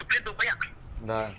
tục liên tục ấy ạ